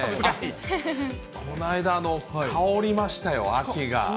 この間、香りましたよ、秋が。